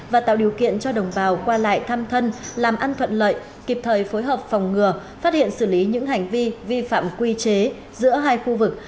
và tạo điều kiện cho đồng bào qua lại thăm thân làm ăn thuận lợi kịp thời phối hợp phòng ngừa phát hiện xử lý những hành vi vi phạm quy chế giữa hai khu vực